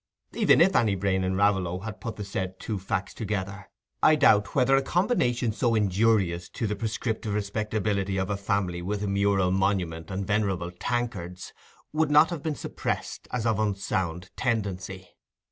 Even if any brain in Raveloe had put the said two facts together, I doubt whether a combination so injurious to the prescriptive respectability of a family with a mural monument and venerable tankards, would not have been suppressed as of unsound tendency.